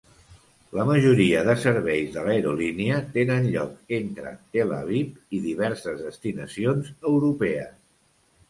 La majoria de serveis de l'aerolínia tenen lloc entre Tel Aviv i diverses destinacions europees.